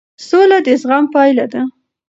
سوله د زغم پایله ده